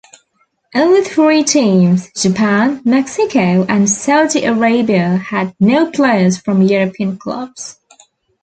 Only three teams, Japan, Mexico, and Saudi Arabia, had no players from European clubs.